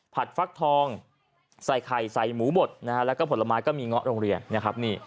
ผัดฟักทองใส่ไข่ใส่หมูบดและผลไม้ก็มีเงาะโรงเรียน